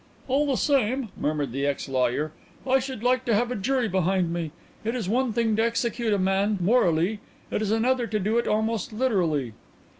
"All the same," murmured the ex lawyer, "I should like to have a jury behind me. It is one thing to execute a man morally; it is another to do it almost literally."